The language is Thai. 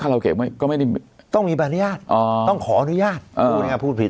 ก็ไม่ได้ต้องมีบรรยาทอ๋อต้องขออนุญาตเออพูดผิด